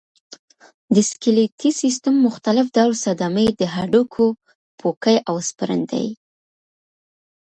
د سکلیټي سیستم مختلف ډول صدمې د هډوکو پوکی او سپرن دی.